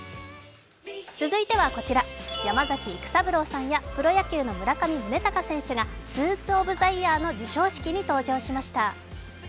続いてはこちら、山崎育三郎さんやプロ野球の村上宗隆さんがスーツ・オブ・ザ・イヤーの授賞式に登場しました。